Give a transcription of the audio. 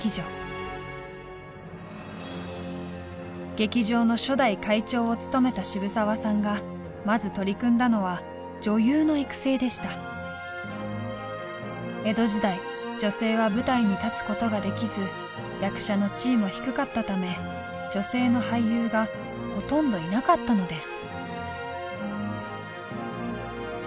劇場の初代会長を務めた渋沢さんがまず取り組んだのは江戸時代女性は舞台に立つことができず役者の地位も低かったため女性の俳優がほとんどいなかったのです。